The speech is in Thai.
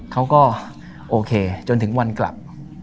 เขาก็โอเคจนถึงวันกลับ